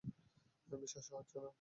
বিশ্বাসই হচ্ছে না।